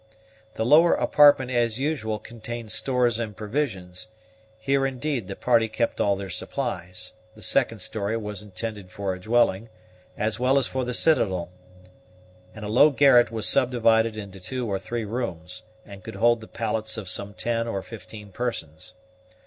The lower apartment as usual contained stores and provisions; here indeed the party kept all their supplies; the second story was intended for a dwelling, as well as for the citadel, and a low garret was subdivided into two or three rooms, and could hold the pallets of some ten or fifteen persons.